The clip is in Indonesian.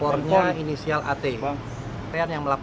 untuk mencari keadilan kita harus mengambil keterangan yang terbaik